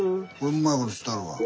うまいことしてはるわ。